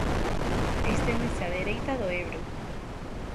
Esténdese á dereita do Ebro.